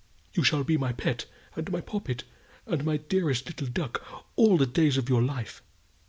You shall be my pet, and my poppet, and my dearest little duck all the days of your life."